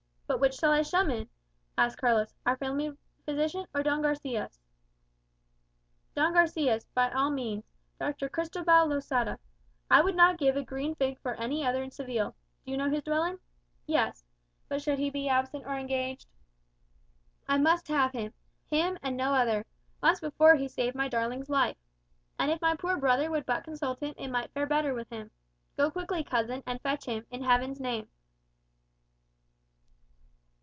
"But which shall I summon?" asked Carlos. "Our family physician, or Don Garçia's?" "Don Garçia's, by all means, Dr. Cristobal Losada. I would not give a green fig for any other in Seville. Do you know his dwelling?" "Yes. But should he be absent or engaged?" "I must have him. Him, and no other. Once before he saved my darling's life. And if my poor brother would but consult him, it might fare better with him. Go quickly, cousin, and fetch him, in Heaven's name."